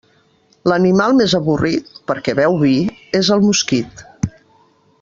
L'animal més avorrit, perquè beu vi, és el mosquit.